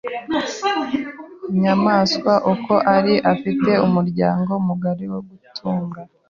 Nyamwasa uko ari, afite umuryango mugari wo gutunga .